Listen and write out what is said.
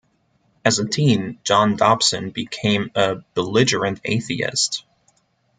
As a teen John Dobson became a "belligerent" atheist.